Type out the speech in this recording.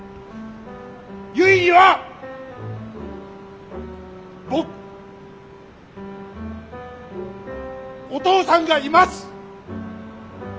ゆいには僕お父さんがいます！